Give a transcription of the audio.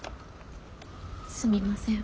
すみません。